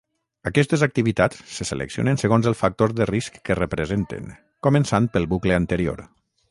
Aquestes activitats se seleccionen segons el factor de risc que representen, començant pel bucle anterior.